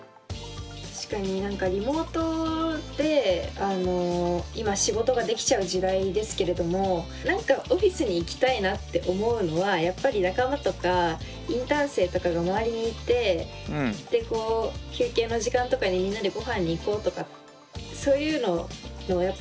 確かにリモートで今仕事ができちゃう時代ですけれども何かオフィスに行きたいなって思うのはやっぱり仲間とかインターン生とかが周りにいて休憩の時間とかにみんなでごはんに行こうとかそういうのをやっぱ